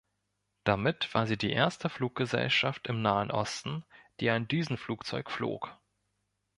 Damit war sie die erste Fluggesellschaft im Nahen Osten, die ein Düsenflugzeug flog.